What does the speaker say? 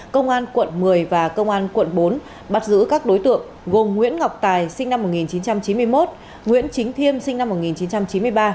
công an quận một mươi và công an quận bốn bắt giữ các đối tượng gồm nguyễn ngọc tài sinh năm một nghìn chín trăm chín mươi một nguyễn chính thiêm sinh năm một nghìn chín trăm chín mươi ba